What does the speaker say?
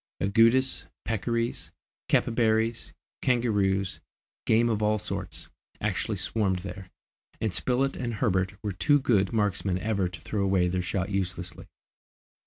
Agoutis, peccaries, capybaras, kangaroos, game of all sorts, actually swarmed there, and Spilett and Herbert were too good marksmen ever to throw away their shot uselessly.